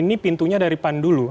ini pintunya dari pandulu